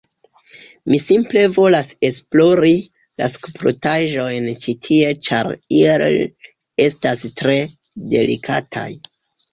Mi simple volas esplori la skulptaĵojn ĉi tie ĉar ili estas tre delikataj